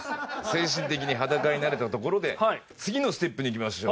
精神的に裸になれたところで次のステップにいきましょう。